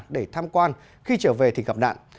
để tham quan khi trở về thì gặp nạn